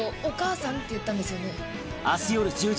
お母さんって言ったんですよね。